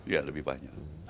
ya lebih banyak